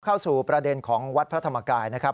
เข้าสู่ประเด็นของวัดพระธรรมกายนะครับ